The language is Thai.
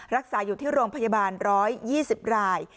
รักษาอยู่ที่โรงพยาบาล๑๒๐ราย